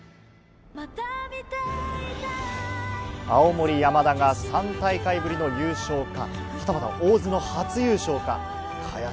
青森山田が３大会ぶりの優勝か、はたまた大津の初優勝か。